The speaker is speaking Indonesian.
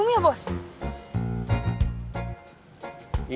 kamu mau berbual